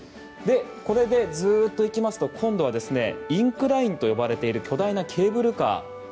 これで、ずっと行きますと今度はインクラインと呼ばれる巨大なケーブルカー。